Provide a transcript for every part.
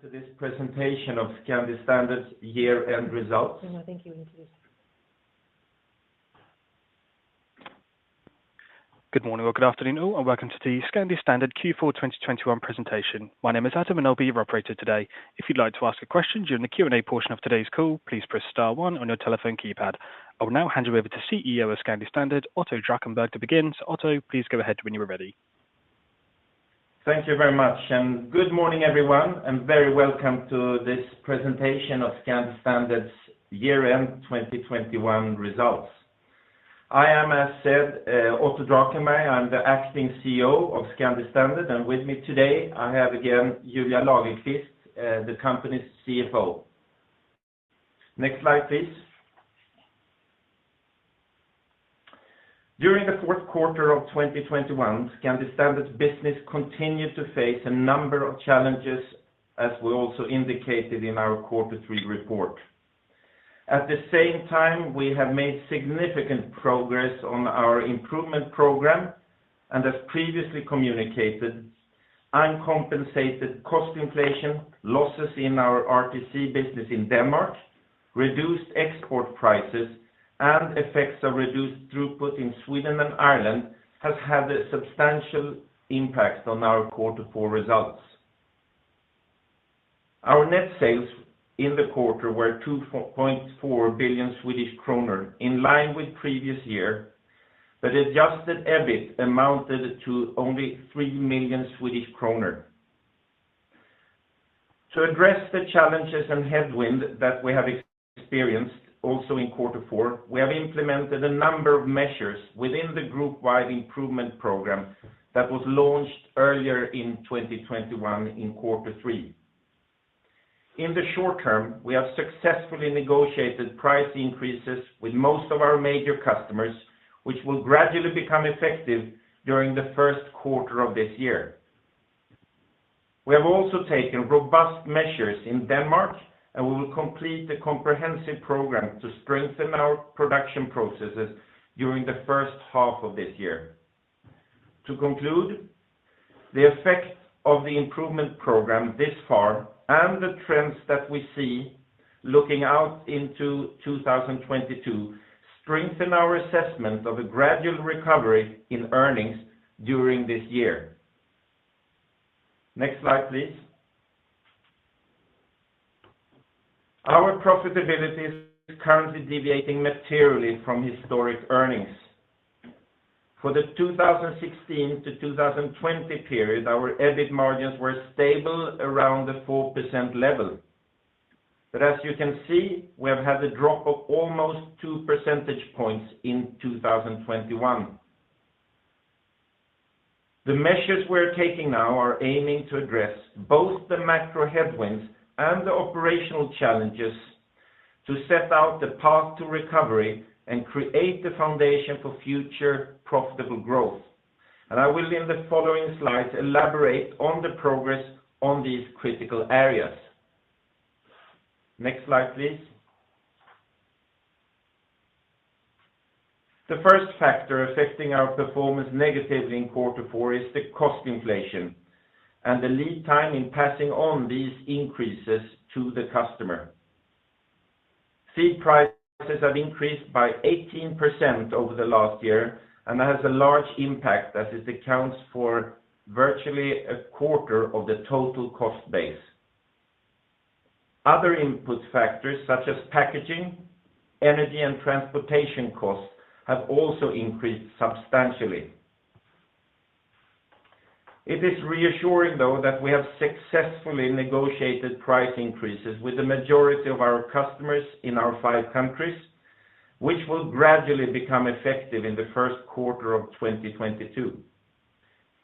Good morning or good afternoon all, and welcome to the Scandi Standard Q4 2021 presentation. My name is Adam, and I'll be your operator today. If you'd like to ask a question during the Q&A portion of today's call, please press star one on your telephone keypad. I will now hand you over to CEO of Scandi Standard, Otto Drakenberg, to begin. Otto, please go ahead when you are ready. Thank you very much, and good morning, everyone, and very welcome to this presentation of Scandi Standard's year-end 2021 results. I am, as said, Otto Drakenberg. I'm the Acting CEO of Scandi Standard, and with me today I have, again, Julia Lagerqvist, the company's CFO. Next slide, please. During the fourth quarter of 2021, Scandi Standard's business continued to face a number of challenges, as we also indicated in our quarter three report. At the same time, we have made significant progress on our improvement program, and as previously communicated, uncompensated cost inflation, losses in our RTC business in Denmark, reduced export prices, and effects of reduced throughput in Sweden and Ireland has had a substantial impact on our quarter four results. Our net sales in the quarter were 2.4 billion Swedish kronor, in line with previous year, but adjusted EBIT amounted to only 3 million Swedish kronor. To address the challenges and headwind that we have experienced also in quarter four, we have implemented a number of measures within the group-wide improvement program that was launched earlier in 2021 in quarter three. In the short term, we have successfully negotiated price increases with most of our major customers, which will gradually become effective during the first quarter of this year. We have also taken robust measures in Denmark, and we will complete the comprehensive program to strengthen our production processes during the first half of this year. To conclude, the effect of the improvement program thus far and the trends that we see looking out into 2022 strengthen our assessment of a gradual recovery in earnings during this year. Next slide, please. Our profitability is currently deviating materially from historic earnings. For the 2016 to 2020 period, our EBIT margins were stable around the 4% level. As you can see, we have had a drop of almost 2 percentage points in 2021. The measures we're taking now are aiming to address both the macro headwinds and the operational challenges to set out the path to recovery and create the foundation for future profitable growth. I will in the following slides elaborate on the progress on these critical areas. Next slide, please. The first factor affecting our performance negatively in quarter four is the cost inflation and the lead time in passing on these increases to the customer. Feed prices have increased by 18% over the last year, and that has a large impact as it accounts for virtually a quarter of the total cost base. Other input factors such as packaging, energy, and transportation costs have also increased substantially. It is reassuring though that we have successfully negotiated price increases with the majority of our customers in our five countries, which will gradually become effective in the first quarter of 2022.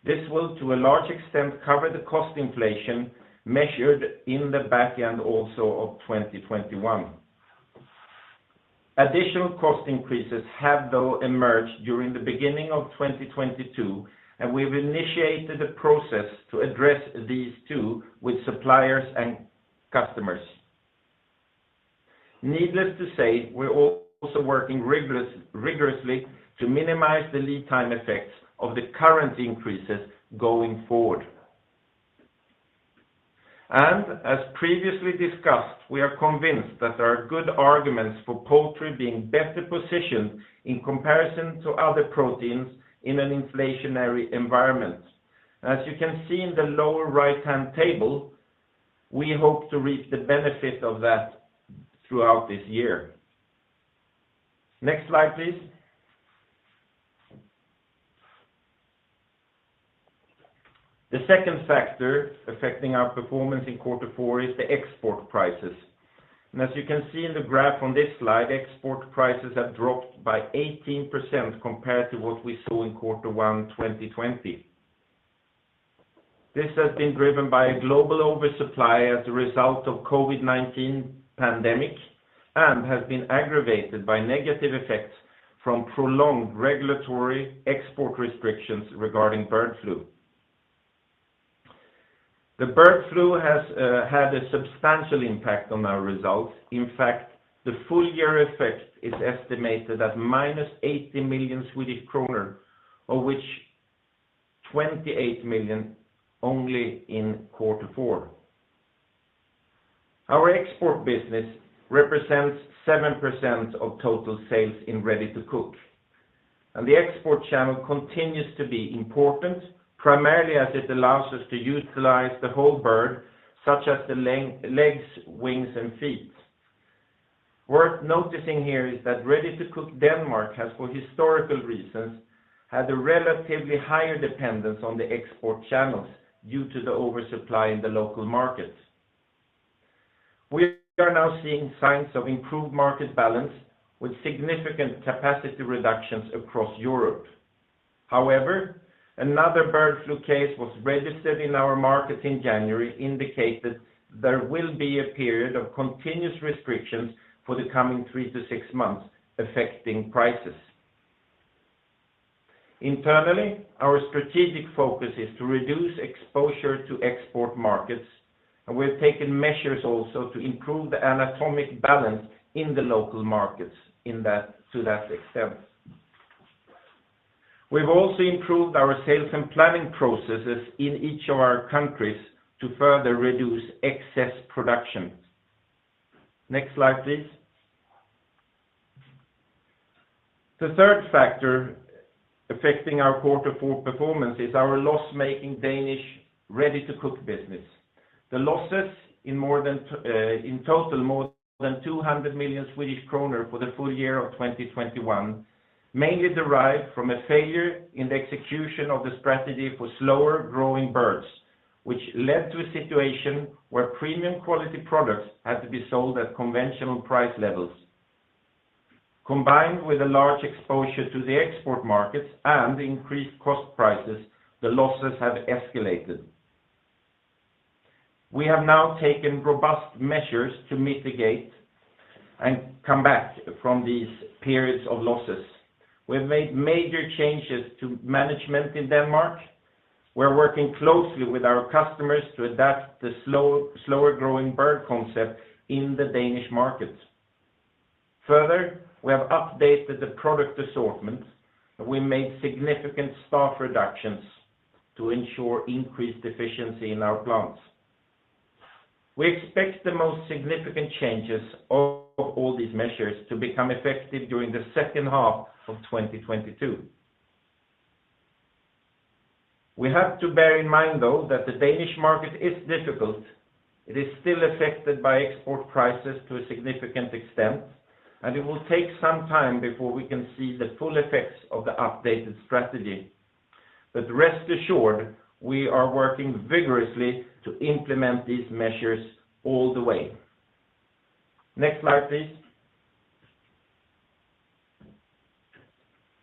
This will to a large extent cover the cost inflation measured in the back end also of 2021. Additional cost increases have, though, emerged during the beginning of 2022, and we've initiated a process to address these too with suppliers and customers. Needless to say, we're also working rigorously to minimize the lead time effects of the current increases going forward. And as previously discussed, we are convinced that there are good arguments for poultry being better positioned in comparison to other proteins in an inflationary environment. As you can see in the lower right-hand table, we hope to reap the benefit of that throughout this year. Next slide, please. The second factor affecting our performance in quarter four is the export prices. As you can see in the graph on this slide, export prices have dropped by 18% compared to what we saw in quarter one, 2020. This has been driven by a global oversupply as a result of COVID-19 pandemic and has been aggravated by negative effects from prolonged regulatory export restrictions regarding bird flu. The bird flu has had a substantial impact on our results. In fact, the full year effect is estimated at -80 million Swedish kronor, of which 28 million only in quarter four. Our export business represents 7% of total sales in Ready-to-cook, and the export channel continues to be important, primarily as it allows us to utilize the whole bird, such as the leg quarters, wings, and feet. Worth noticing here is that Ready-to-cook Denmark has, for historical reasons, had a relatively higher dependence on the export channels due to the oversupply in the local markets. We are now seeing signs of improved market balance with significant capacity reductions across Europe. However, another bird flu case was registered in our markets in January, indicating there will be a period of continuous restrictions for the coming three to six months affecting prices. Internally, our strategic focus is to reduce exposure to export markets, and we've taken measures also to improve the anatomic balance in the local markets to that extent. We've also improved our sales and planning processes in each of our countries to further reduce excess production. Next slide, please. The third factor affecting our quarter four performance is our loss-making Danish Ready-to-cook business. The losses, in total more than 200 million Swedish kronor for the full year of 2021 mainly derived from a failure in the execution of the strategy for slower growing birds, which led to a situation where premium quality products had to be sold at conventional price levels. Combined with a large exposure to the export markets and increased cost prices, the losses have escalated. We have now taken robust measures to mitigate and come back from these periods of losses. We've made major changes to management in Denmark. We're working closely with our customers to adapt the slow-growing bird concept in the Danish markets. Further, we have updated the product assortment, and we made significant staff reductions to ensure increased efficiency in our plants. We expect the most significant changes of all these measures to become effective during the second half of 2022. We have to bear in mind, though, that the Danish market is difficult. It is still affected by export prices to a significant extent, and it will take some time before we can see the full effects of the updated strategy. But rest assured, we are working vigorously to implement these measures all the way. Next slide, please.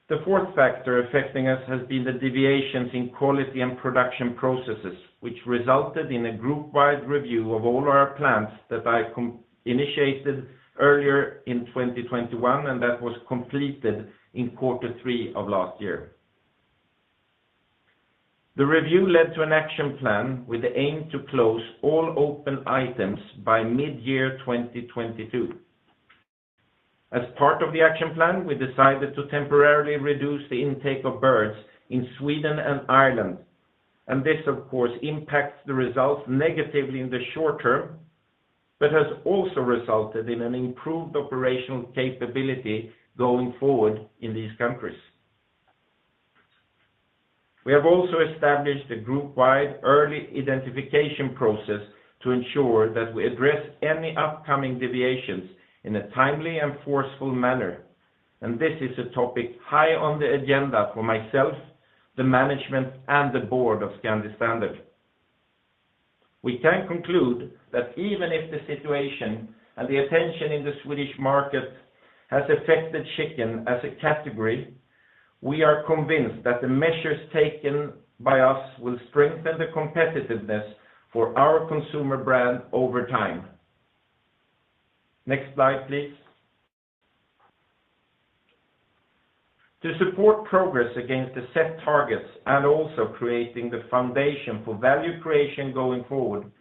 The fourth factor affecting us has been the deviations in quality and production processes, which resulted in a group-wide review of all our plants that I initiated earlier in 2021, and that was completed in quarter three of last year. The review led to an action plan with the aim to close all open items by midyear 2022. As part of the action plan, we decided to temporarily reduce the intake of birds in Sweden and Ireland, and this of course impacts the results negatively in the short term, but has also resulted in an improved operational capability going forward in these countries. We have also established a group-wide early identification process to ensure that we address any upcoming deviations in a timely and forceful manner, and this is a topic high on the agenda for myself, the management, and the board of Scandi Standard. We can conclude that even if the situation and the attention in the Swedish market has affected chicken as a category, we are convinced that the measures taken by us will strengthen the competitiveness for our consumer brand over time. Next slide, please. To support progress against the set targets and also creating the foundation for value creation going forward,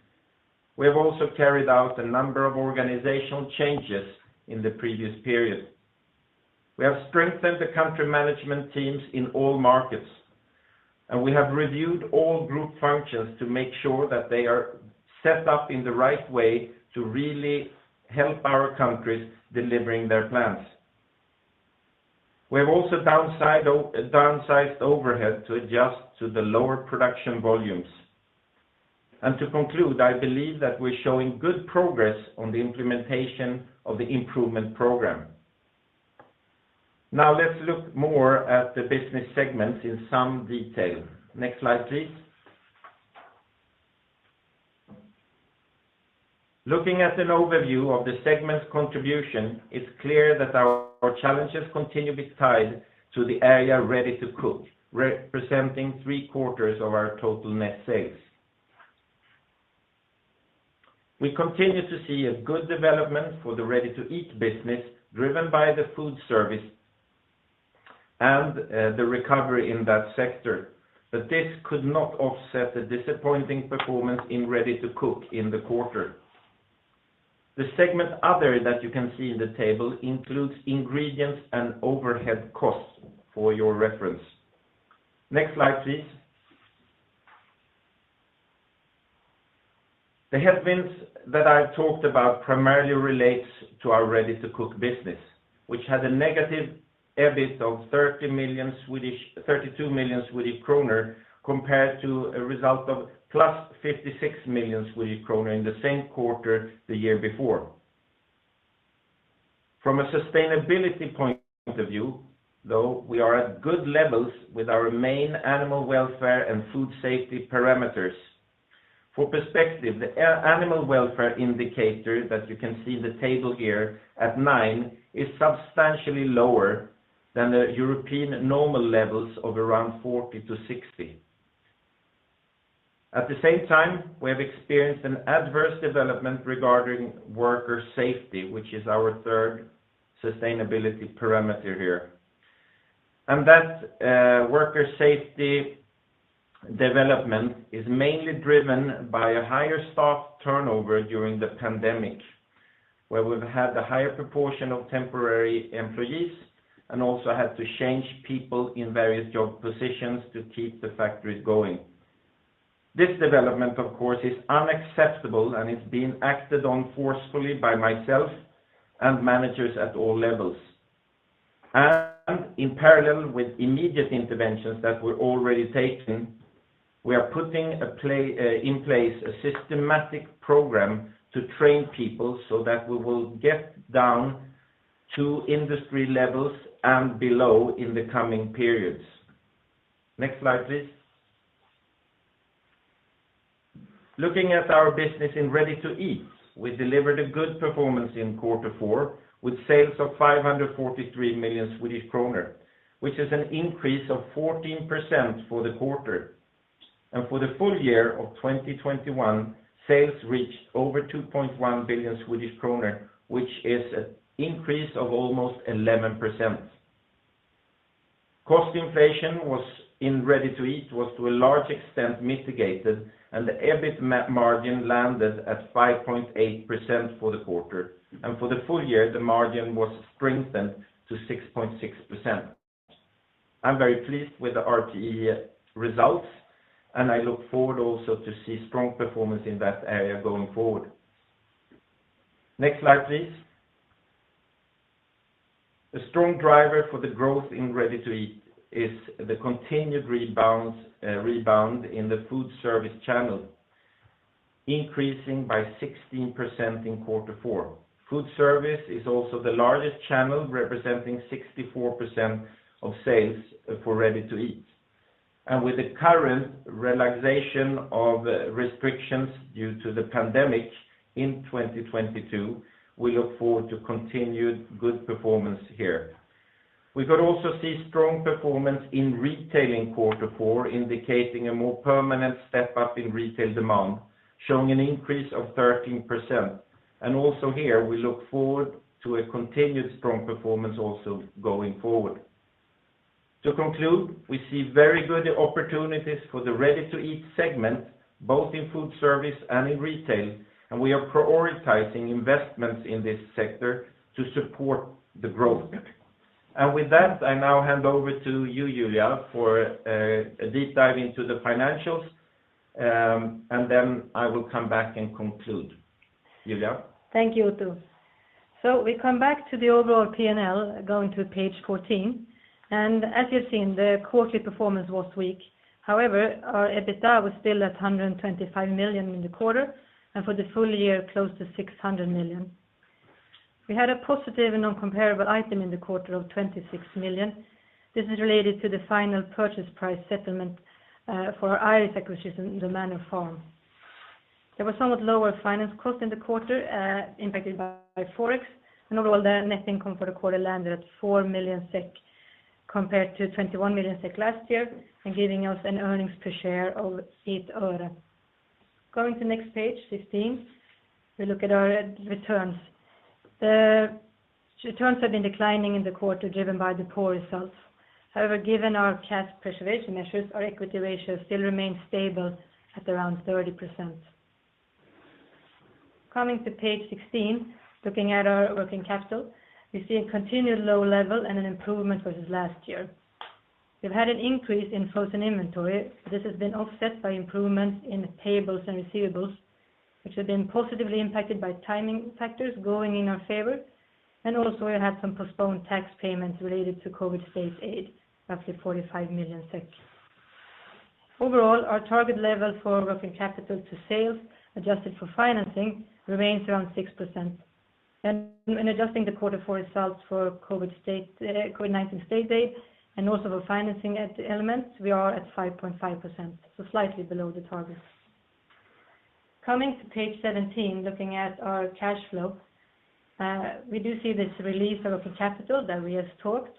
we have also carried out a number of organizational changes in the previous period. We have strengthened the country management teams in all markets, and we have reviewed all group functions to make sure that they are set up in the right way to really help our countries delivering their plans. We have also downsized overhead to adjust to the lower production volumes. And to conclude, I believe that we're showing good progress on the implementation of the improvement program. Now let's look more at the business segments in some detail. Next slide, please. Looking at an overview of the segment's contribution, it's clear that our challenges continue to be tied to the area Ready-to-cook, representing 0.75 of our total net sales. We continue to see a good development for the Ready-to-eat business driven by the food service and the recovery in that sector. This could not offset the disappointing performance in Ready-to-cook in the quarter. The segment Other that you can see in the table includes ingredients and overhead costs for your reference. Next slide, please. The headwinds that I talked about primarily relates to our Ready-to-cook business, which had a negative EBIT of 32 million Swedish kronor, compared to a result of +56 million Swedish kronor in the same quarter the year before. From a sustainability point of view, though, we are at good levels with our main animal welfare and food safety parameters. For perspective, the animal welfare indicator that you can see in the table here at nine is substantially lower than the European normal levels of around 40 to 60. At the same time, we have experienced an adverse development regarding worker safety, which is our third sustainability parameter here. That worker safety development is mainly driven by a higher staff turnover during the pandemic, where we've had a higher proportion of temporary employees and also had to change people in various job positions to keep the factories going. This development, of course, is unacceptable, and it's being acted on forcefully by myself and managers at all levels. In parallel with immediate interventions that we're already taking, we are putting in place a systematic program to train people so that we will get down to industry levels and below in the coming periods. Next slide, please. Looking at our business in Ready-to-eat, we delivered a good performance in quarter four with sales of 543 million Swedish kronor, which is an increase of 14% for the quarter. For the full year of 2021, sales reached over 2.1 billion Swedish kronor, which is an increase of almost 11%. Cost inflation was, in Ready-to-eat, to a large extent mitigated, and the EBIT margin landed at 5.8% for the quarter. For the full year, the margin was strengthened to 6.6%. I'm very pleased with the RTE results, and I look forward also to see strong performance in that area going forward. Next slide, please. A strong driver for the growth in Ready-to-eat is the continued rebound in the food service channel, increasing by 16% in quarter four. Food service is also the largest channel representing 64% of sales for Ready-to-eat. With the current relaxation of restrictions due to the pandemic in 2022, we look forward to continued good performance here. We could also see strong performance in retail in quarter four, indicating a more permanent step-up in retail demand, showing an increase of 13%. And also here, we look forward to a continued strong performance also going forward. To conclude, we see very good opportunities for the Ready-to-eat segment, both in food service and in retail, and we are prioritizing investments in this sector to support the growth. With that, I now hand over to you, Julia, for a deep dive into the financials, and then I will come back and conclude. Julia? Thank you, Otto. We come back to the overall P&L going to page 14. As you've seen, the quarterly performance was weak. However, our EBITDA was still at 125 million in the quarter, and for the full year, close to 600 million. We had a positive non-comparable item in the quarter of 26 million. This is related to the final purchase price settlement for our Irish acquisition in the Manor Farm. There was somewhat lower finance cost in the quarter, impacted by Forex. Overall, the net income for the quarter landed at 4 million SEK compared to 21 million SEK last year and giving us an earnings per share of SEK 0.08. Going to next page, 15, we look at our returns. The returns have been declining in the quarter, driven by the poor results. However, given our cash preservation measures, our equity ratio still remains stable at around 30%. Coming to page 16, looking at our working capital, we see a continued low level and an improvement versus last year. We've had an increase in frozen inventory. This has been offset by improvements in payables and receivables, which have been positively impacted by timing factors going in our favor, and also we had some postponed tax payments related to COVID state aid, up to 45 million. Overall, our target level for working capital to sales, adjusted for financing, remains around 6%. In adjusting the quarter four results for COVID-19 state aid and also the financing elements, we are at 5.5%, so slightly below the target. Coming to page 17, looking at our cash flow, we do see this release of working capital that we just talked.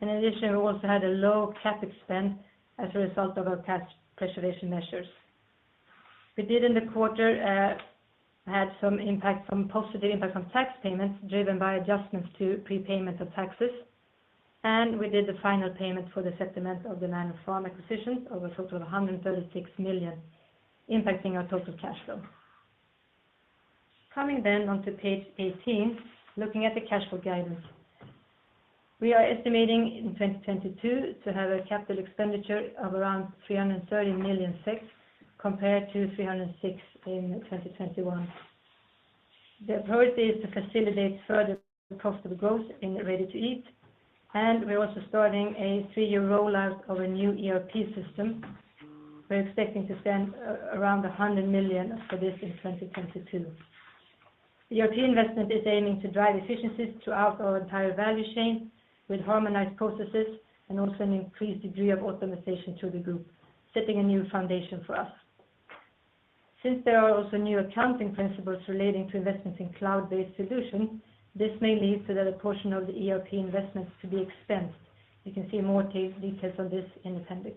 In addition, we also had a low CapEx spend as a result of our cash preservation measures. We had in the quarter some positive impact from tax payments driven by adjustments to prepayment of taxes. We did the final payment for the settlement of the Manor Farm acquisition of a total of 136 million, impacting our total cash flow. Coming then on to page 18, looking at the cash flow guidance. We are estimating in 2022 to have a capital expenditure of around 330 million compared to 306 million in 2021. The priority is to facilitate further profitable growth in the Ready-to-eat, and we're also starting a three-year rollout of a new ERP system. We're expecting to spend around 100 million for this in 2022. The ERP investment is aiming to drive efficiencies throughout our entire value chain with harmonized processes and also an increased degree of optimization to the group, setting a new foundation for us. Since there are also new accounting principles relating to investments in cloud-based solutions, this may lead to the portion of the ERP investments to be expensed. You can see more details on this in the appendix.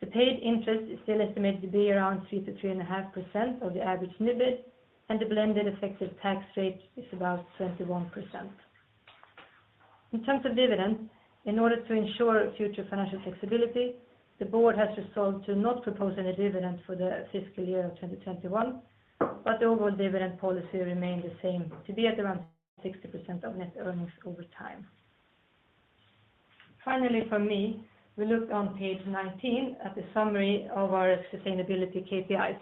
The paid interest is still estimated to be around 3%-3.5% of the average NIBD, and the blended effective tax rate is about 21%. In terms of dividend, in order to ensure future financial flexibility, the board has resolved to not propose any dividend for the fiscal year of 2021, but the overall dividend policy remain the same to be at around 60% of net earnings over time. Finally, for me, we look on page 19 at the summary of our sustainability KPIs.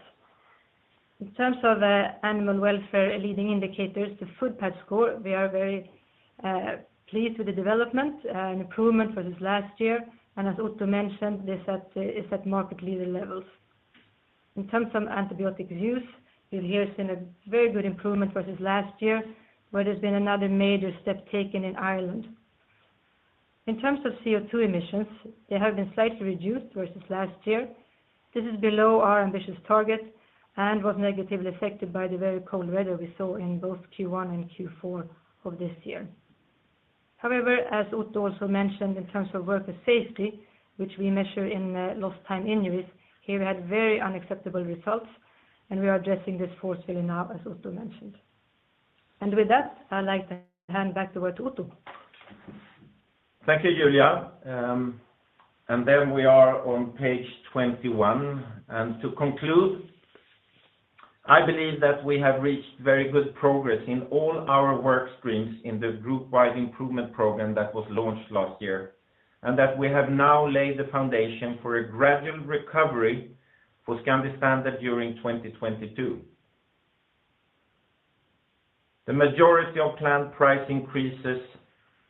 In terms of animal welfare leading indicators, the foot pad score, we are very pleased with the development and improvement for this last year. And as Otto mentioned, this is at market leader levels. In terms of antibiotic use, you'll hear it's been a very good improvement versus last year, where there's been another major step taken in Ireland. In terms of CO₂ emissions, they have been slightly reduced versus last year. This is below our ambitious target and was negatively affected by the very cold weather we saw in both Q1 and Q4 of this year. However, as Otto also mentioned, in terms of worker safety, which we measure in lost time injuries, here we had very unacceptable results, and we are addressing this forcefully now, as Otto mentioned. With that, I'd like to hand back over to Otto. Thank you, Julia. We are on page 21. To conclude, I believe that we have reached very good progress in all our work streams in the group-wide improvement program that was launched last year, and that we have now laid the foundation for a gradual recovery for Scandi Standard during 2022. The majority of planned price increases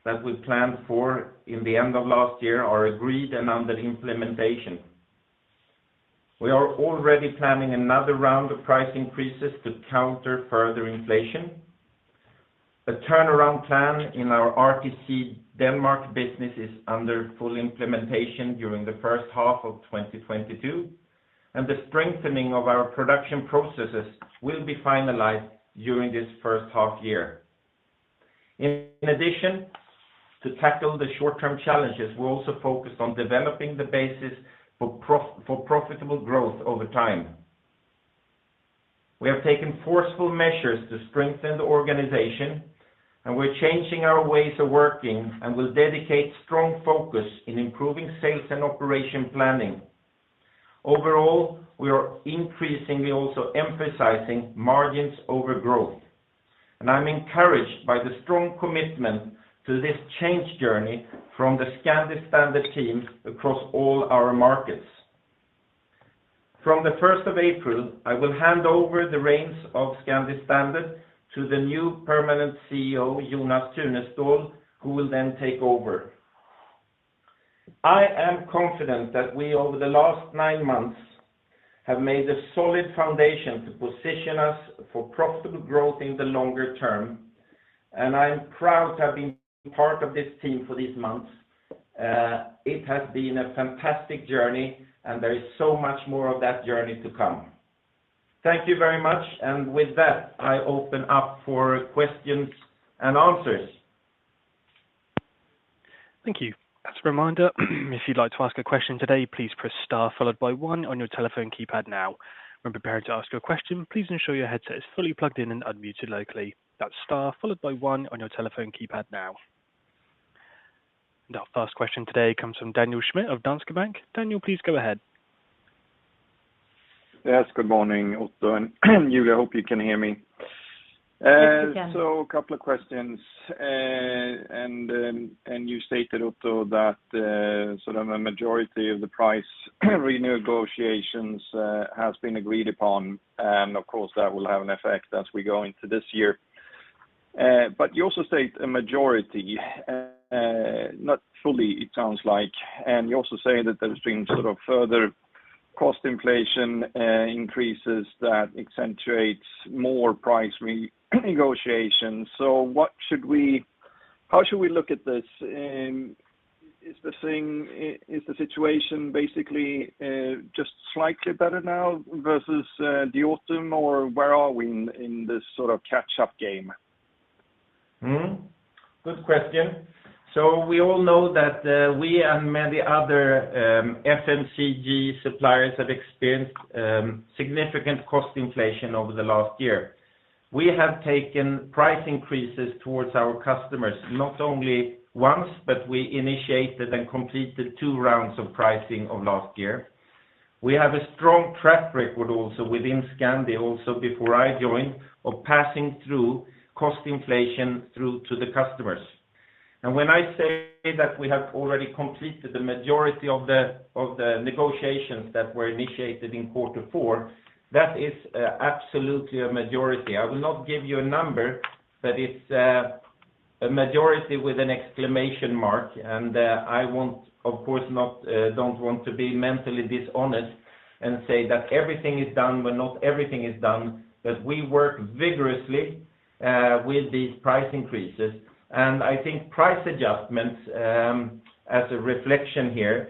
that we planned for in the end of last year are agreed and under implementation. We are already planning another round of price increases to counter further inflation. The turnaround plan in our RTC Denmark business is under full implementation during the first half of 2022, and the strengthening of our production processes will be finalized during this first half year. In addition, to tackle the short-term challenges, we're also focused on developing the basis for profitable growth over time. We have taken forceful measures to strengthen the organization, and we're changing our ways of working and will dedicate strong focus in improving sales and operation planning. Overall, we are increasingly also emphasizing margins over growth, and I'm encouraged by the strong commitment to this change journey from the Scandi Standard team across all our markets. From the first of April, I will hand over the reins of Scandi Standard to the new permanent CEO, Jonas Tunestål, who will then take over. I am confident that we, over the last nine months, have made a solid foundation to position us for profitable growth in the longer term. I'm proud to have been part of this team for these months. It has been a fantastic journey, and there is so much more of that journey to come. Thank you very much. With that, I open up for questions and answers. Thank you. As a reminder, if you'd like to ask a question today, please press star followed by one on your telephone keypad now. When preparing to ask your question, please ensure your headset is fully plugged in and unmuted locally. That's star followed by one on your telephone keypad now. Our first question today comes from Daniel Schmidt of Danske Bank. Daniel, please go ahead. Yes, good morning, Otto and Julia. I hope you can hear me. Yes, we can. A couple of questions. You stated, Otto, that sort of a majority of the price renegotiations has been agreed upon, and of course, that will have an effect as we go into this year. But you also state a majority, not fully, it sounds like. You also say that there's been sort of further cost inflation increases that accentuates more price renegotiations. How should we look at this? Is the situation basically just slightly better now versus the autumn? Or where are we in this sort of catch-up game? Good question. We all know that we and many other FMCG suppliers have experienced significant cost inflation over the last year. We have taken price increases towards our customers, not only once, but we initiated and completed two rounds of pricing of last year. We have a strong track record also within Scandi, also before I joined, of passing through cost inflation through to the customers. When I say that we have already completed the majority of the negotiations that were initiated in quarter four, that is absolutely a majority. I will not give you a number, but it's a majority with an exclamation mark, and I don't want to be mentally dishonest and say that everything is done, but not everything is done. We work vigorously with these price increases. I think price adjustments, as a reflection here,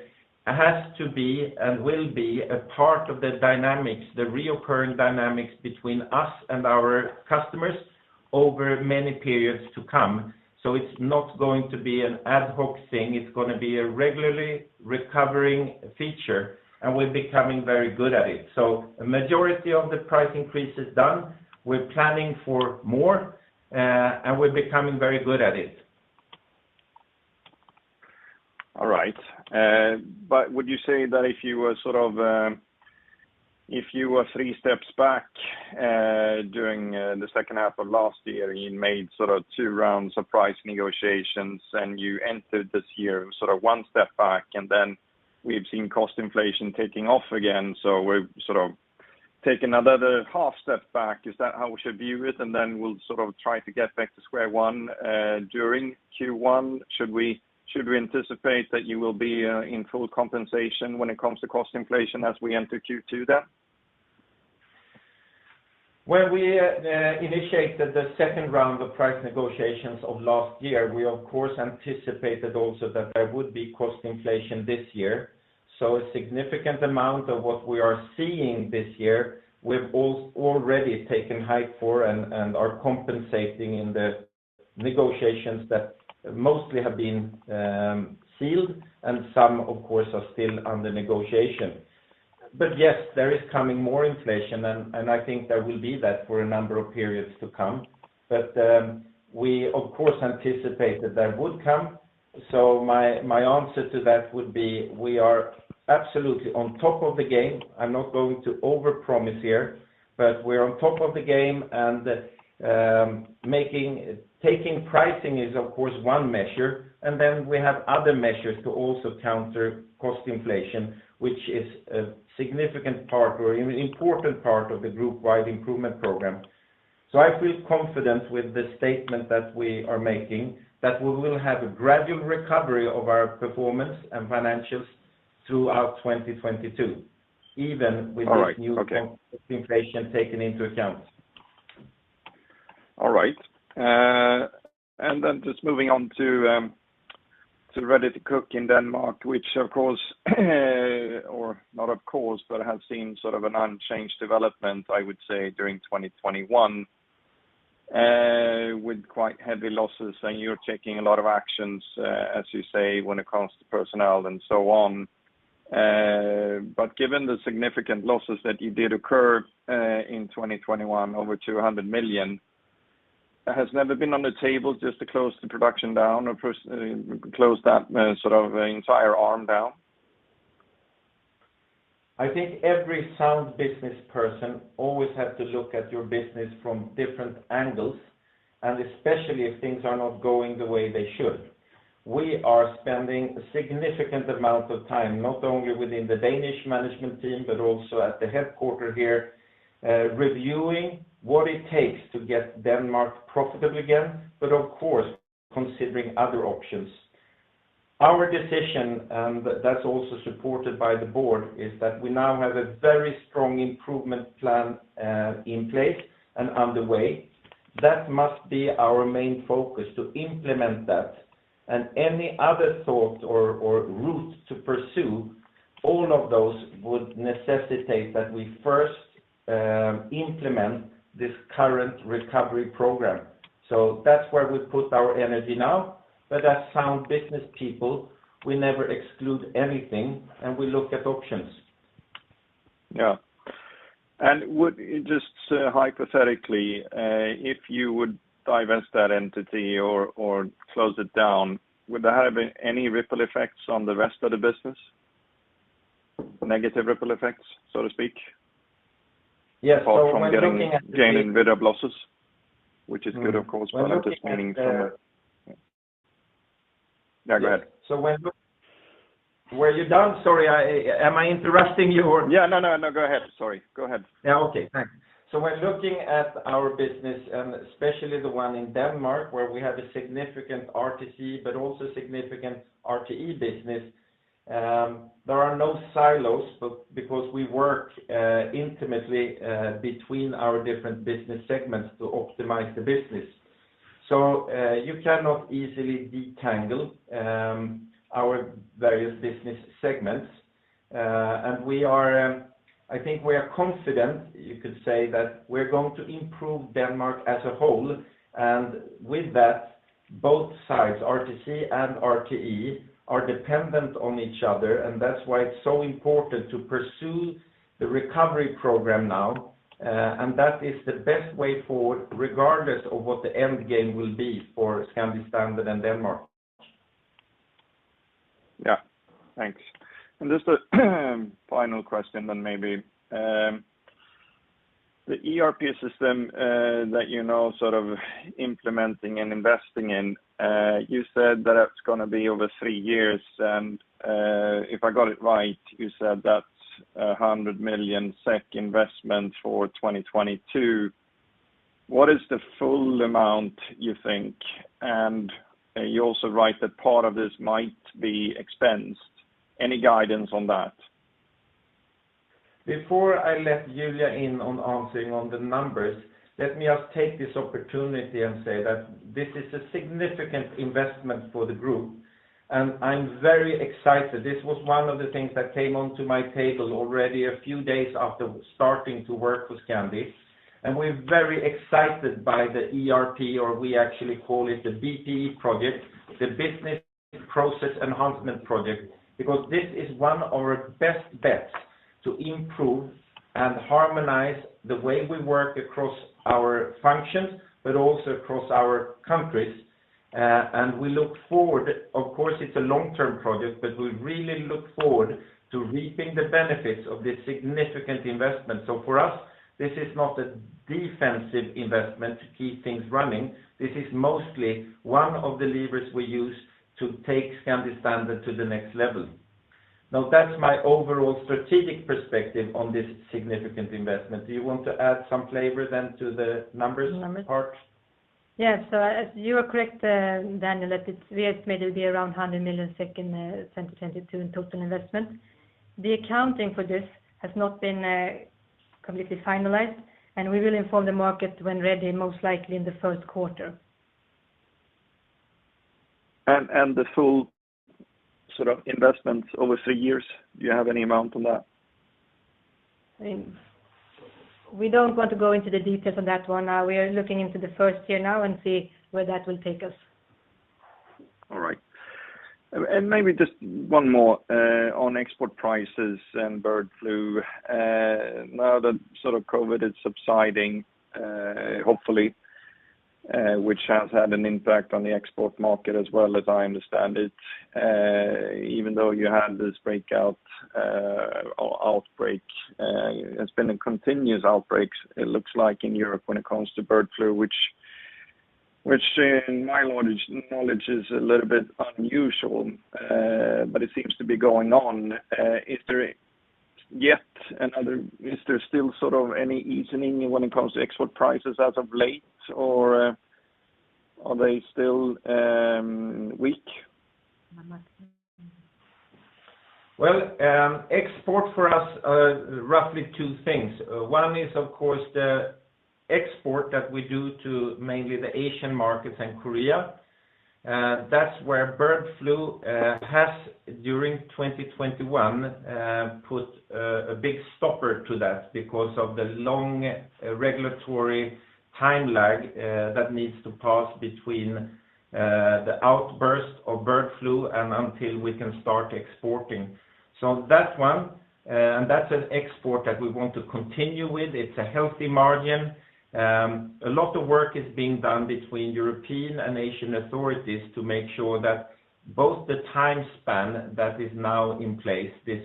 has to be and will be a part of the dynamics, the recurring dynamics between us and our customers over many periods to come. It's not going to be an ad hoc thing, it's gonna be a regularly recurring feature, and we're becoming very good at it. A majority of the price increase is done. We're planning for more, and we're becoming very good at it. All right. Would you say that if you were three steps back during the second half of last year, you made sort of two rounds of price negotiations, and you entered this year sort of one step back, and then we've seen cost inflation taking off again, so we've sort of taken another half step back. Is that how we should view it? We'll sort of try to get back to square one during Q1. Should we anticipate that you will be in full compensation when it comes to cost inflation as we enter Q2 then? When we initiated the second round of price negotiations of last year, we of course anticipated also that there would be cost inflation this year. A significant amount of what we are seeing this year, we've already taken into account and are compensating in the negotiations that mostly have been sealed and some of course are still under negotiation. Yes, there is coming more inflation and I think there will be that for a number of periods to come. We of course anticipated that would come. My answer to that would be we are absolutely on top of the game. I'm not going to overpromise here, but we're on top of the game and, Taking pricing is of course one measure, and then we have other measures to also counter cost inflation, which is a significant part or important part of the group-wide improvement program. I feel confident with the statement that we are making that we will have a gradual recovery of our performance and financials throughout 2022, even with this new- All right. Okay. Inflation taken into account. All right. Just moving on to Ready-to-cook in Denmark, which of course, or not of course, but has seen sort of an unchanged development, I would say, during 2021, with quite heavy losses. You're taking a lot of actions, as you say, when it comes to personnel and so on. Given the significant losses that you did incur in 2021, over 200 million, has never been on the table just to close the production down or close that sort of entire arm down? I think every sound business person always have to look at your business from different angles, and especially if things are not going the way they should. We are spending a significant amount of time, not only within the Danish management team, but also at the headquarters here, reviewing what it takes to get Denmark profitable again. Of course, considering other options. Our decision, that's also supported by the board, is that we now have a very strong improvement plan in place and underway. That must be our main focus to implement that. Any other thoughts or routes to pursue, all of those would necessitate that we first implement this current recovery program. That's where we put our energy now. As sound business people, we never exclude anything, and we look at options. Yeah. Would, just hypothetically, if you would divest that entity or close it down, would there have been any ripple effects on the rest of the business? Negative ripple effects, so to speak? Yes. Apart from gaining rid of losses, which is good, of course, but understanding from a- When looking at. No, go ahead. Were you done? Sorry, am I interrupting you or? Yeah. No, no. Go ahead. Sorry. Go ahead. Yeah. Okay. Thanks. When looking at our business, especially the one in Denmark, where we have a significant RTC, but also significant RTE business, there are no silos, but because we work intimately between our different business segments to optimize the business. You cannot easily disentangle our various business segments. We are confident, you could say, that we're going to improve Denmark as a whole, and with that, both sides, RTC and RTE, are dependent on each other, and that's why it's so important to pursue the recovery program now, and that is the best way forward regardless of what the end game will be for Scandi Standard and Denmark. Yeah. Thanks. Just a final question then maybe. The ERP system, that, you know, sort of implementing and investing in, you said that that's gonna be over three years and, if I got it right, you said that's a 100 million SEK investment for 2022. What is the full amount you think? You also write that part of this might be expensed. Any guidance on that? Before I let Julia in on answering on the numbers, let me just take this opportunity and say that this is a significant investment for the group, and I'm very excited. This was one of the things that came onto my table already a few days after starting to work with Scandi. We're very excited by the ERP, or we actually call it the BPE project, the business process enhancement project, because this is one of our best bets to improve and harmonize the way we work across our functions, but also across our countries. We look forward, of course, it's a long-term project, but we really look forward to reaping the benefits of this significant investment. For us, this is not a defensive investment to keep things running. This is mostly one of the levers we use to take Scandi Standard to the next level. Now that's my overall strategic perspective on this significant investment. Do you want to add some flavor then to the numbers part? Yes. As you are correct, Daniel, that we estimate it'll be around 100 million in 2022 in total investment. The accounting for this has not been completely finalized, and we will inform the market when ready, most likely in the first quarter. The full sort of investment over three years, do you have any amount on that? We don't want to go into the details on that one. We are looking into the first year now and see where that will take us. All right. Maybe just one more on export prices and bird flu. Now that sort of COVID is subsiding, hopefully, which has had an impact on the export market as well as I understand it, even though you had this outbreak, it's been a continuous outbreak, it looks like in Europe when it comes to bird flu, which in my knowledge is a little bit unusual, but it seems to be going on. Is there still sort of any easing when it comes to export prices as of late, or are they still weak? On the matter? Well, export for us are roughly two things. One is, of course, the export that we do to mainly the Asian markets and Korea. That's where bird flu has during 2021 put a big stopper to that because of the long regulatory time lag that needs to pass between the outburst of bird flu and until we can start exporting. That's one, and that's an export that we want to continue with. It's a healthy margin. A lot of work is being done between European and Asian authorities to make sure that both the time span that is now in place, this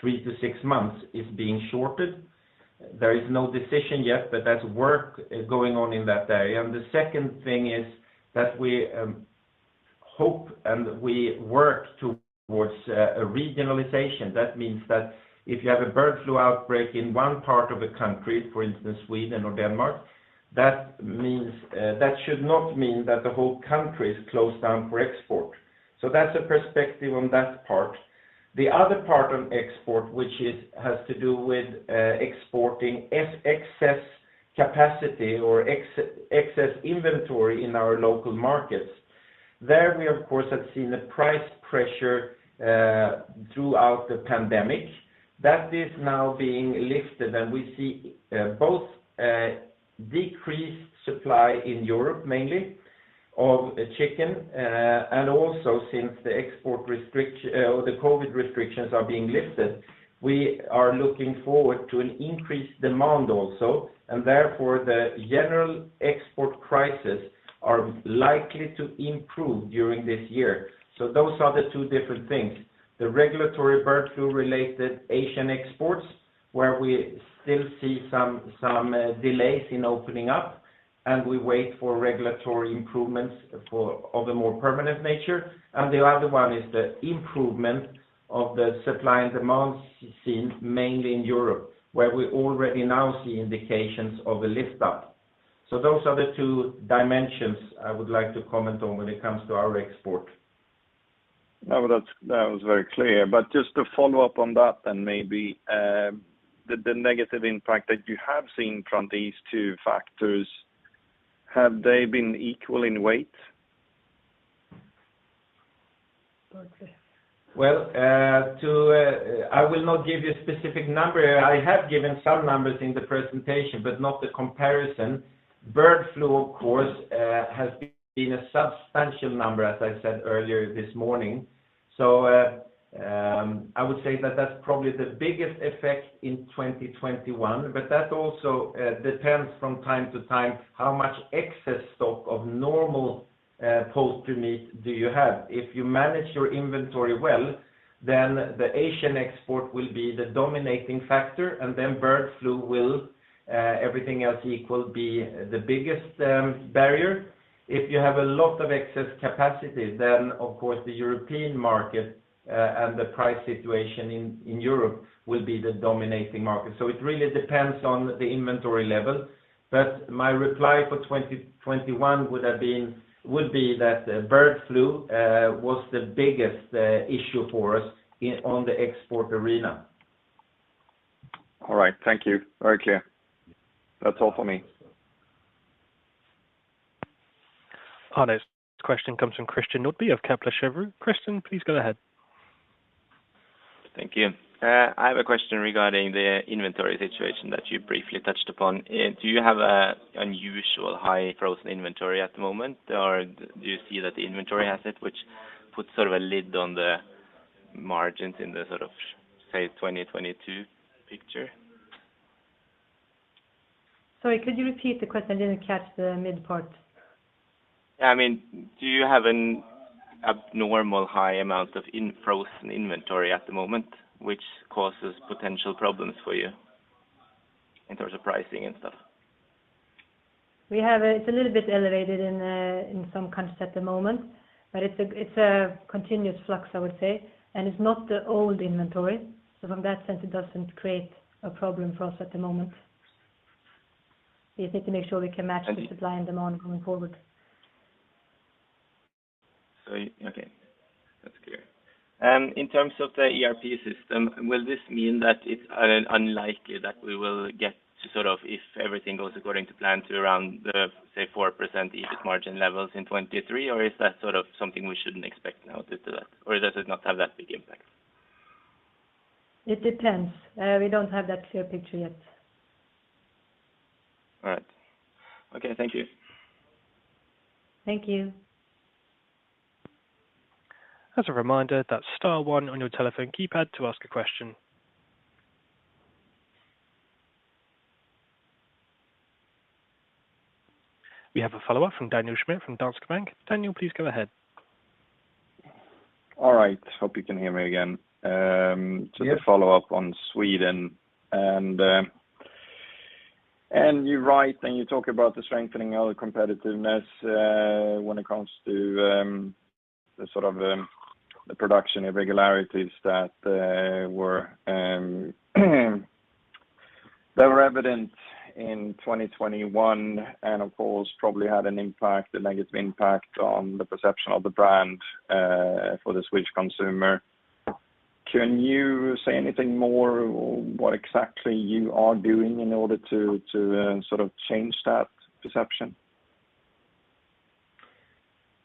three to six months, is being shortened. There is no decision yet, but that's work going on in that area. The second thing is that we hope and we work towards a regionalization. That means that if you have a bird flu outbreak in one part of a country, for instance, Sweden or Denmark, that means that should not mean that the whole country is closed down for export. That's a perspective on that part. The other part on export, which has to do with exporting excess capacity or excess inventory in our local markets. There, we of course have seen a price pressure throughout the pandemic. That is now being lifted, and we see both decreased supply in Europe, mainly of chicken, and also since the COVID restrictions are being lifted, we are looking forward to an increased demand also, and therefore the general export prices are likely to improve during this year. Those are the two different things. The regulatory bird flu related Asian exports, where we still see some delays in opening up, and we wait for regulatory improvements of a more permanent nature. The other one is the improvement of the supply and demand seen mainly in Europe, where we already now see indications of a lift up. Those are the two dimensions I would like to comment on when it comes to our export. No, that was very clear. Just to follow up on that then maybe, the negative impact that you have seen from these two factors, have they been equal in weight? Well, I will not give you a specific number. I have given some numbers in the presentation, but not the comparison. Bird flu, of course, has been a substantial number, as I said earlier this morning. I would say that that's probably the biggest effect in 2021, but that also depends from time to time how much excess stock of normal poultry meat do you have. If you manage your inventory well, then the Asian export will be the dominating factor, and then bird flu will, everything else equal, be the biggest barrier. If you have a lot of excess capacity, then of course, the European market and the price situation in Europe will be the dominating market. It really depends on the inventory level. My reply for 2021 would be that bird flu was the biggest issue for us in the export arena. All right. Thank you. Very clear. That's all for me. Our next question comes from Christian Nordby of Kepler Cheuvreux. Christian, please go ahead. Thank you. I have a question regarding the inventory situation that you briefly touched upon. Do you have an unusual high frozen inventory at the moment, or do you see that the inventory asset, which puts sort of a lid on the margins in the sort of, say, 2022 picture? Sorry, could you repeat the question? I didn't catch the mid part. I mean, do you have an abnormal high amount of in-frozen inventory at the moment which causes potential problems for you in terms of pricing and stuff? It's a little bit elevated in some countries at the moment, but it's a continuous flux, I would say, and it's not the old inventory. From that sense, it doesn't create a problem for us at the moment. We just need to make sure we can match the supply and demand going forward. Okay, that's clear. In terms of the ERP system, will this mean that it's unlikely that we will get to sort of, if everything goes according to plan, to around, say, 4% EBIT margin levels in 2023? Or is that sort of something we shouldn't expect now due to that? Or does it not have that big impact? It depends. We don't have that clear picture yet. All right. Okay. Thank you. Thank you. As a reminder, that's star one on your telephone keypad to ask a question. We have a follow-up from Daniel Schmidt from Danske Bank. Daniel, please go ahead. All right. Hope you can hear me again. Yes. To follow up on Sweden and you're right, and you talk about the strengthening of the competitiveness, when it comes to the sort of production irregularities that were evident in 2021 and of course, probably had an impact, a negative impact on the perception of the brand for the Swedish consumer. Can you say anything more or what exactly you are doing in order to sort of change that perception?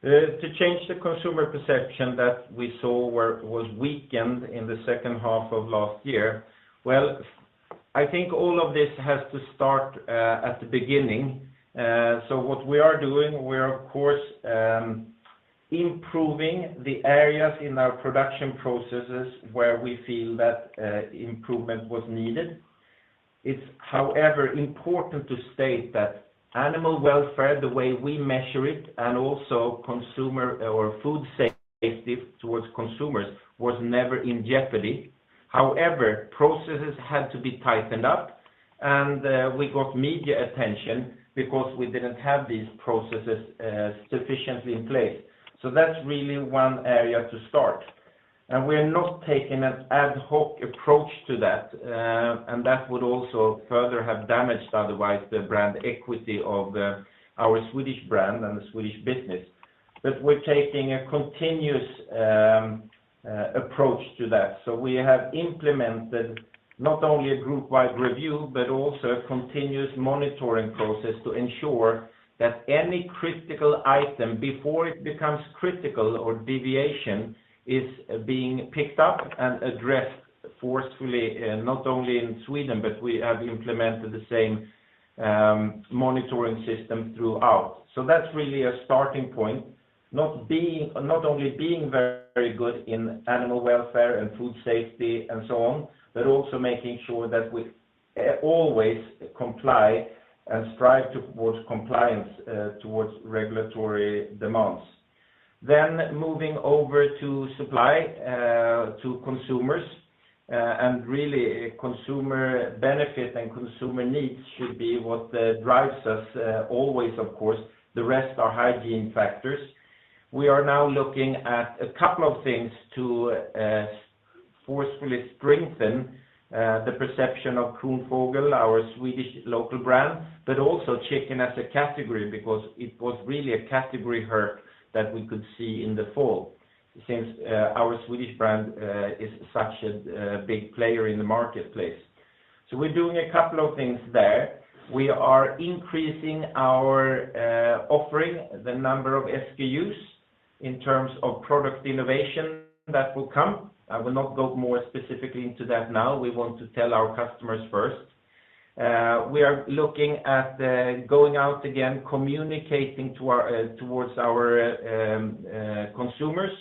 To change the consumer perception that we saw where it was weakened in the second half of last year. Well, I think all of this has to start at the beginning. What we are doing, we're of course improving the areas in our production processes where we feel that improvement was needed. It's, however, important to state that animal welfare, the way we measure it and also consumer or food safety towards consumers was never in jeopardy. However, processes had to be tightened up and we got media attention because we didn't have these processes sufficiently in place. That's really one area to start. We're not taking an ad hoc approach to that, and that would also further have damaged otherwise the brand equity of our Swedish brand and the Swedish business. We're taking a continuous approach to that. We have implemented not only a group-wide review, but also a continuous monitoring process to ensure that any critical item before it becomes critical or deviation is being picked up and addressed forcefully, not only in Sweden, but we have implemented the same monitoring system throughout. That's really a starting point. Not only being very good in animal welfare and food safety and so on, but also making sure that we always comply and strive towards compliance towards regulatory demands. Moving over to supply to consumers, and really consumer benefit and consumer needs should be what drives us always, of course, the rest are hygiene factors. We are now looking at a couple of things to forcefully strengthen the perception of Kronfågel, our Swedish local brand, but also chicken as a category because it was really a category hurt that we could see in the fall since our Swedish brand is such a big player in the marketplace. We're doing a couple of things there. We are increasing our offering the number of SKUs in terms of product innovation that will come. I will not go more specifically into that now. We want to tell our customers first. We are looking at going out again, communicating towards our consumers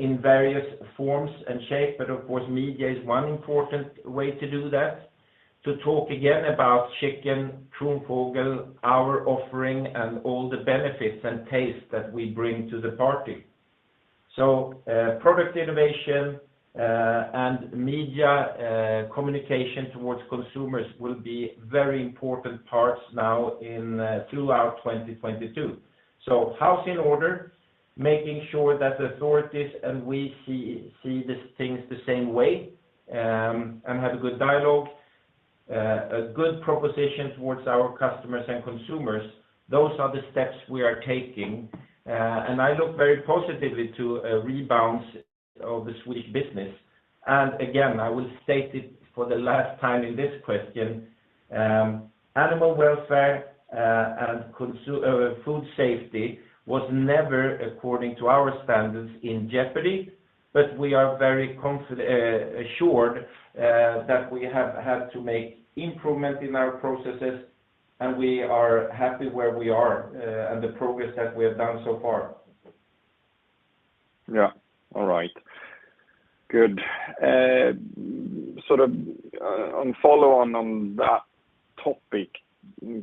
in various forms and shape. Of course, media is one important way to do that, to talk again about chicken, Kronfågel, our offering, and all the benefits and taste that we bring to the party. Product innovation and media communication towards consumers will be very important parts now in throughout 2022. House in order, making sure that the authorities and we see these things the same way, and have a good dialogue, a good proposition towards our customers and consumers. Those are the steps we are taking. I look very positively to a rebound of the Swedish business. I will state it for the last time in this question, animal welfare, and food safety was never according to our standards in jeopardy, but we are very assured that we have had to make improvement in our processes, and we are happy where we are, and the progress that we have done so far. Yeah. All right. Good. Sort of following on that topic,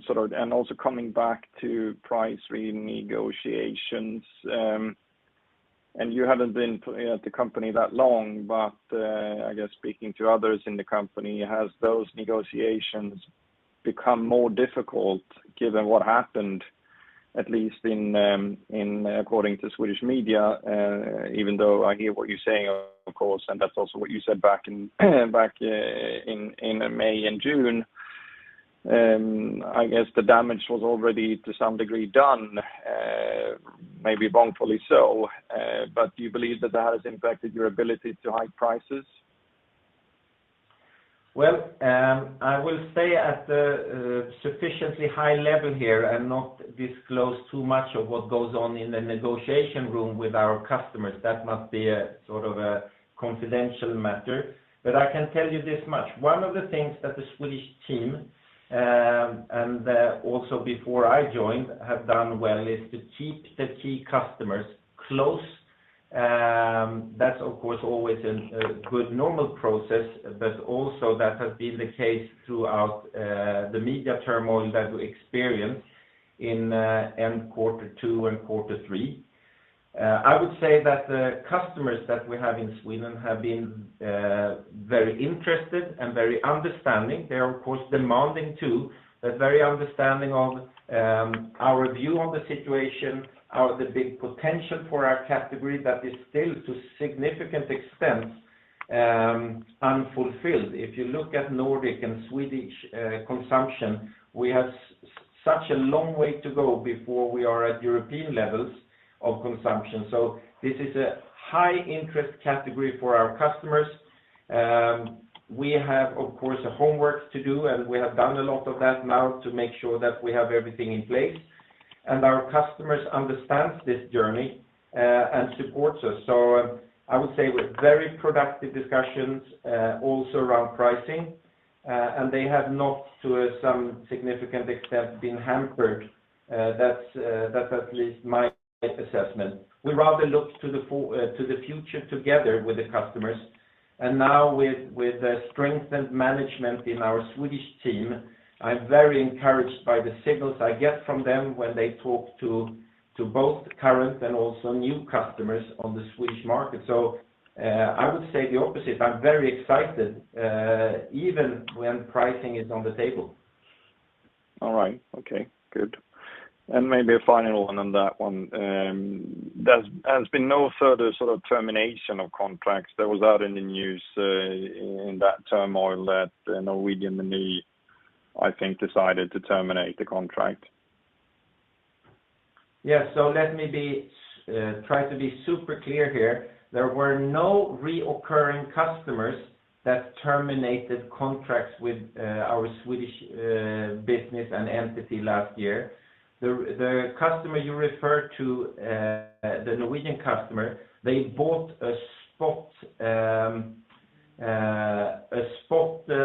sort of, also coming back to price renegotiations. You haven't been at the company that long, but I guess speaking to others in the company, has those negotiations become more difficult given what happened, at least according to Swedish media, even though I hear what you're saying, of course, and that's also what you said back in May and June. I guess the damage was already to some degree done, maybe wrongfully so. Do you believe that that has impacted your ability to hike prices? Well, I will say at a sufficiently high level here, I'm not disclosed too much of what goes on in the negotiation room with our customers. That must be a sort of a confidential matter. I can tell you this much. One of the things that the Swedish team and also before I joined have done well is to keep the key customers close. That's of course always a good normal process, but also that has been the case throughout the media turmoil that we experienced in quarter two and quarter three. I would say that the customers that we have in Sweden have been very interested and very understanding. They are, of course, demanding too, but very understanding of our view on the situation, how the big potential for our category that is still to significant extent unfulfilled. If you look at Nordic and Swedish consumption, we have such a long way to go before we are at European levels of consumption. This is a high interest category for our customers. We have, of course, a homework to do, and we have done a lot of that now to make sure that we have everything in place. Our customers understands this journey and supports us. I would say with very productive discussions also around pricing, and they have not to some significant extent been hampered. That's at least my assessment. We rather look to the future together with the customers. Now with the strengthened management in our Swedish team, I'm very encouraged by the signals I get from them when they talk to both current and also new customers on the Swedish market. I would say the opposite. I'm very excited even when pricing is on the table. All right. Okay, good. Maybe a final one on that one. There's been no further sort of termination of contracts that was out in the news, in that turmoil that Norwegian and me, I think, decided to terminate the contract. Yes. Let me try to be super clear here. There were no recurring customers that terminated contracts with our Swedish business and entity last year. The customer you refer to, the Norwegian customer, they bought a spot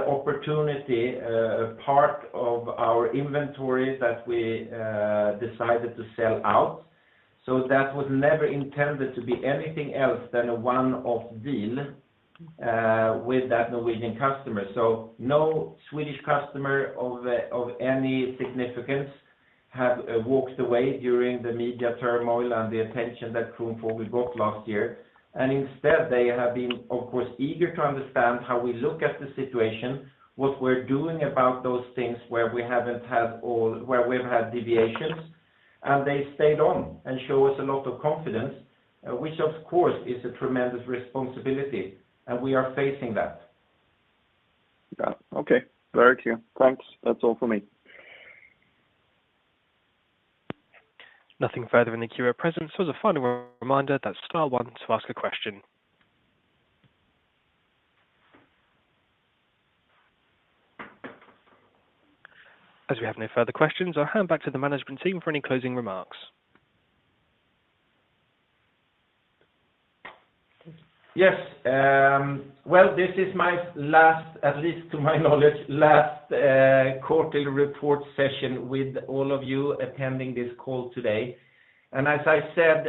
opportunity, part of our inventory that we decided to sell out. That was never intended to be anything else than a one-off deal with that Norwegian customer. No Swedish customer of any significance have walked away during the media turmoil and the attention that Kronfågel got last year. Instead, they have been, of course, eager to understand how we look at the situation, what we're doing about those things where we've had deviations, and they stayed on and show us a lot of confidence, which of course, is a tremendous responsibility, and we are facing that. Yeah. Okay. Very clear. Thanks. That's all for me. Nothing further in the queue at present. As a final reminder that star one to ask a question. As we have no further questions, I'll hand back to the management team for any closing remarks. Yes. Well, this is my last, at least to my knowledge, quarterly report session with all of you attending this call today. As I said,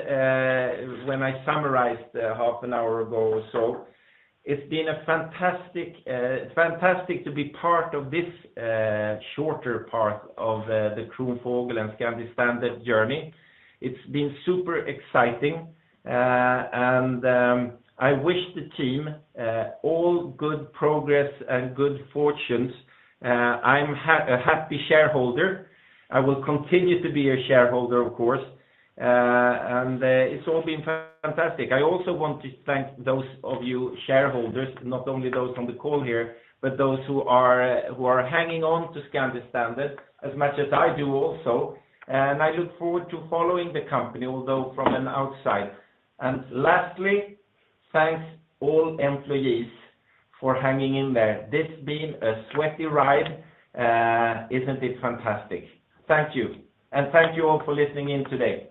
when I summarized half an hour ago or so, it's been a fantastic fantastic to be part of this shorter part of the Kronfågel and Scandi Standard journey. It's been super exciting, and I wish the team all good progress and good fortunes. I'm a happy shareholder. I will continue to be a shareholder, of course. It's all been fantastic. I also want to thank those of you shareholders, not only those on the call here, but those who are hanging on to Scandi Standard as much as I do also. I look forward to following the company, although from the outside. Lastly, thanks all employees for hanging in there. This been a sweaty ride. Isn't it fantastic? Thank you. Thank you all for listening in today.